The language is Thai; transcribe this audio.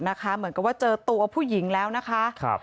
เหมือนกับว่าเจอตัวผู้หญิงแล้วนะคะ